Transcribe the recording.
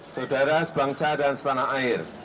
saudara sebangsa dan setanah air